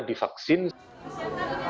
kita harus menghadapi vaksin